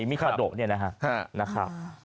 มิคาโดะเนี่ยนะครับ